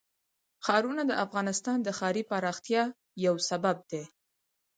ښارونه د افغانستان د ښاري پراختیا یو سبب دی.